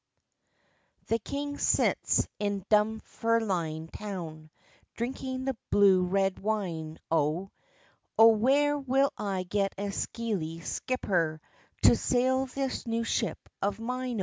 THE king sits in Dunfermline town, Drinking the blude red wine o: "O whare will I get a skeely skipper To sail this new ship of mine o?"